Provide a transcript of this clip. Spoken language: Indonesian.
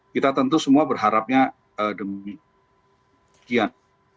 kita tentu semua berharapnya demikian